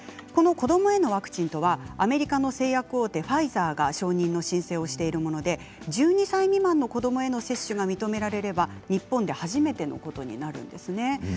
この子どもへのワクチンとはアメリカの製薬大手ファイザーが承認の申請をしているもので１２歳未満の子どもへの接種が認められれば日本で初めてのことになるんです。